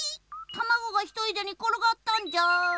たまごがひとりでにころがったんじゃーん。